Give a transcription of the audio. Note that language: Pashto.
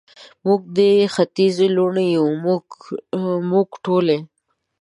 موږ د ختیځ لوڼې یو، موږ ټولې،